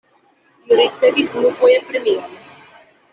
Li ricevis unufoje premion.